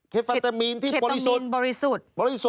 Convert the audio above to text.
เคฟาตามีนที่บริสุทธิ์